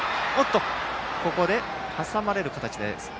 ここで挟まれる形です。